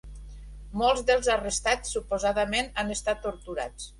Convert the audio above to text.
Molts dels arrestats, suposadament, han estat torturats.